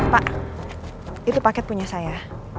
pak itu paket punya saya